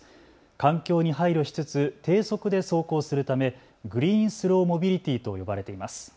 環境に配慮しつつ低速で走行するためグリーンスローモビリティと呼ばれています。